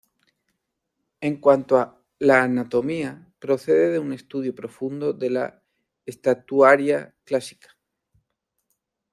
En cuanto a la anatomía, procede de un estudio profundo de la estatuaria clásica.